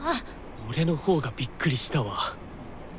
俺のほうがびっくりしたわ。